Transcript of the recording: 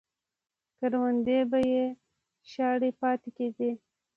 کروندې به یې شاړې پاتې کېدې.